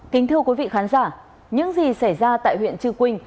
kính thưa quý vị khán giả những gì xảy ra tại huyện chư quynh